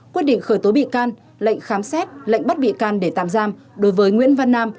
quyết định khởi tố bị can lệnh khám xét lệnh bắt bị can để tạm giam đối với nguyễn văn nam